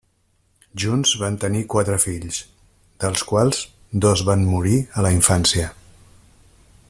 Junts van tenir quatre fills, dels quals dos van morir a la infància.